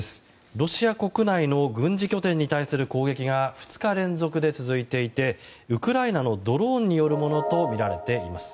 ロシア国内の軍事拠点に対する攻撃が２日連続で続いていてウクライナのドローンによるものとみられています。